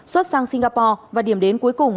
xuất sang singapore và điểm đến cuối cùng